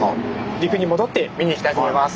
陸に戻って見に行きたいと思います。